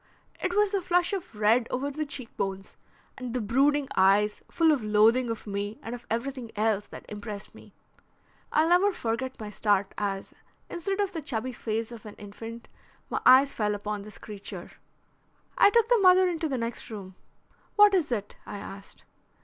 It was the flush of red over the cheekbones, and the brooding eyes full of loathing of me, and of everything else, that impressed me. I'll never forget my start as, instead of the chubby face of an infant, my eyes fell upon this creature. I took the mother into the next room. 'What is it?' I asked.